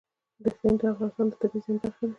اقلیم د افغانستان د طبیعي زیرمو برخه ده.